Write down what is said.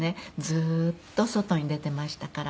ずーっと外に出ていましたから。